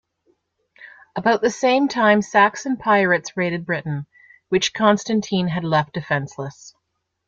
About the same time Saxon pirates raided Britain, which Constantine had left defenseless.